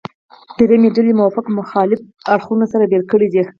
درېیمې ډلې موافق او مخالف اړخونه سره بېل کړي دي.